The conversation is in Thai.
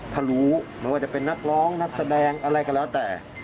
ถ้ารู้ไม่ว่าจะเป็นนักร้องนักแสดงอะไรก็แล้วแต่